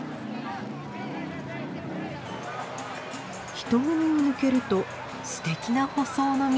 人ごみを抜けるとすてきな舗装の道。